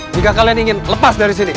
jika kalian ingin lepas dari sini